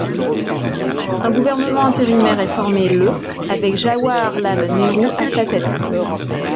Un gouvernement intérimaire est formé le avec Jawaharlal Nehru à sa tête.